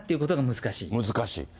難しい。